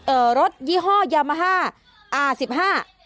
รถยี่ห้อยามาฮ่าอ่าสิบห้า